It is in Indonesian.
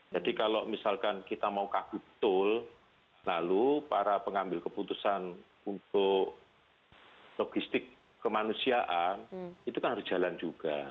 jadi kalau misalkan kita mau kabut tol lalu para pengambil keputusan untuk logistik kemanusiaan itu kan harus jalan juga